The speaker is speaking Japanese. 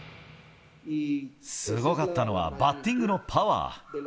すごかったのは、バッティングのパワー。